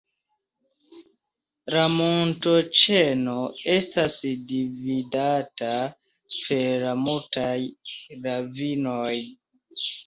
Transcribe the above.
La montoĉeno estas dividata per multaj ravinoj.